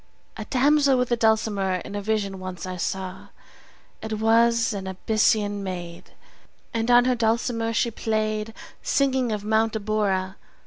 A damsel with a dulcimer In a vision once I saw: It was an Abyssinian maid, And on her dulcimer she play'd, 40 Singing of Mount Abora.